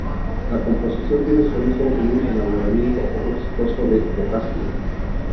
La composición tiene su origen en un enamoramiento poco exitoso de Boccaccio.